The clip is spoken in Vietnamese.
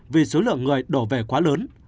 vì số lượng người đổ về quá lớn